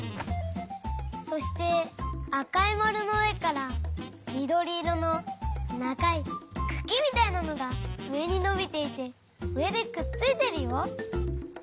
そしてあかいまるのうえからみどりいろのながいくきみたいなのがうえにのびていてうえでくっついてるよ。